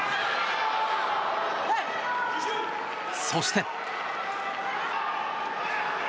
そして。